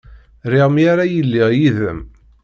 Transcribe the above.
Riɣ mi ara iliɣ yid-m.